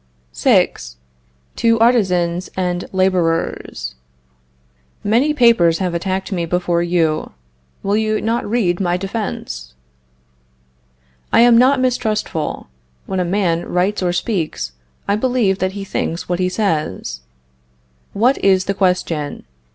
VI. TO ARTISANS AND LABORERS. Many papers have attacked me before you. Will you not read my defense? I am not mistrustful. When a man writes or speaks, I believe that he thinks what he says. What is the question?